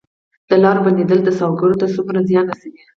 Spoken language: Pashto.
د لارو بندیدل سوداګرو ته څومره زیان رسوي؟